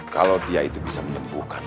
kalau dia itu bisa menyembuhkan